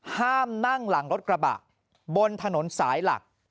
ห้ามนั่งหลังรถกระบะบนถนนสายหลัก